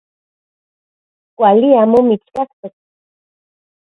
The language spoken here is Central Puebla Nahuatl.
Kuali amo mitskaktok.